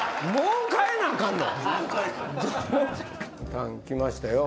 タン来ましたよ。